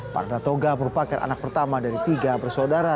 parana toga merupakan anak pertama dari tiga bersaudara